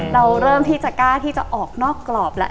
เราเริ่มที่จะกล้าที่จะออกนอกกรอบแล้ว